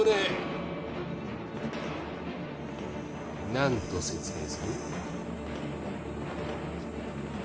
何と説明する？